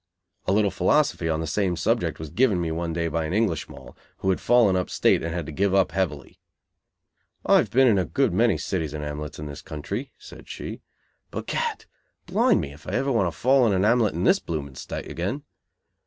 A little philosophy on the same subject was given me one day by an English Moll, who had fallen up State and had to "give up" heavily. "I've been in a good many cities and 'amlets in this country," said she, "but gad! blind me if I ever want to fall in an 'amlet in this blooming State again.